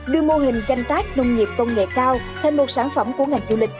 đưa mô hình danh tác nông nghiệp công nghệ cao thêm một sản phẩm của ngành du lịch